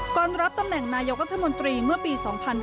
รับตำแหน่งนายกรัฐมนตรีเมื่อปี๒๕๕๙